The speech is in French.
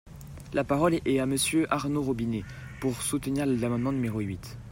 La parole est à Monsieur Arnaud Robinet, pour soutenir l’amendement numéro huit.